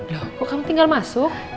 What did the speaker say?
dah kok kamu tinggal masuk